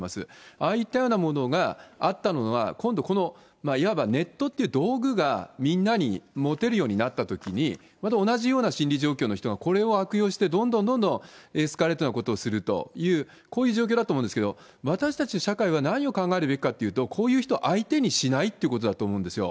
ああいったようなものがあったのが、今度このいわばネットという道具がみんなに持てるようになったときに、また同じような心理状況の人が、これを悪用して、どんどんどんどんエスカレートなことをするという、こういう状況だと思うんですけれども、私たち社会は何を考えるべきかというと、こういう人を相手にしないということだと思うんですよ。